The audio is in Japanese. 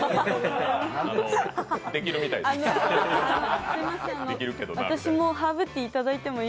できるみたい。